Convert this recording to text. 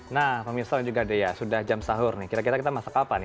nah pak mirsa juga sudah jam sahur nih kira kira kita masak apa nih